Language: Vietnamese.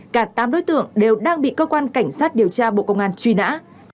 cả tám đối tượng đều đang bị cơ quan cảnh sát điều tra bộ công an truy nã